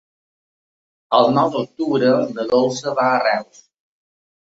El nou d'octubre na Dolça va a Reus.